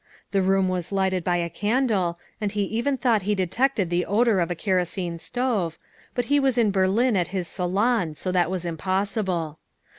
The room was lighted by a candle, and he even thought he detected the odor of a kerosene stove, but he was in Berlin at his salon, so that was impossible.